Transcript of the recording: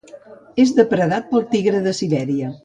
És depredat pel tigre de Sibèria.